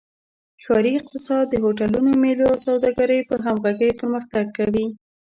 ښاري اقتصاد د هوټلونو، میلو او سوداګرۍ په همغږۍ پرمختګ کوي.